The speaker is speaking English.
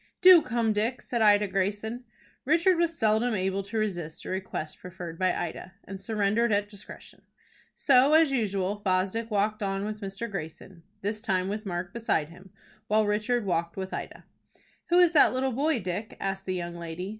"Do come, Dick," said Ida Greyson. Richard was seldom able to resist a request preferred by Ida, and surrendered at discretion. So, as usual, Fosdick walked on with Mr. Greyson, this time with Mark beside him, while Richard walked with Ida. "Who is that little boy, Dick?" asked the young lady.